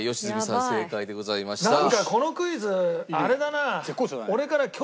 なんかこのクイズあれだな。